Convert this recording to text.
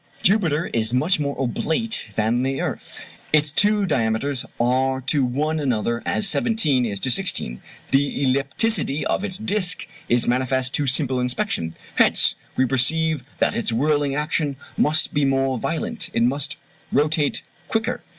Jupiter is much more oblate than the earth. Its two diameters are to one another as 17 is to 16; the ellipticity of its disk is manifest to simple inspection. Hence we perceive that its whirling action must be more violent it must rotate quicker.